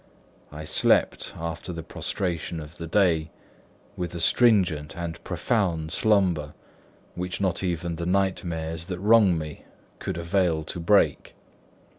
I slept after the prostration of the day, with a stringent and profound slumber which not even the nightmares that wrung me could avail to break.